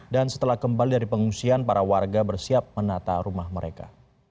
setelah kembali dari pengungsian para warga bersiap menata rumah mereka